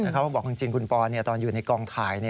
เขาบอกจริงคุณปอนตอนอยู่ในกองถ่าย